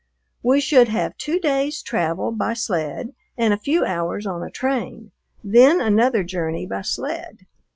We should have two days' travel by sled and a few hours on a train, then another journey by sled.